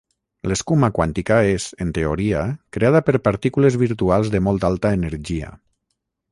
L'escuma quàntica és, en teoria, creada per partícules virtuals de molt alta energia.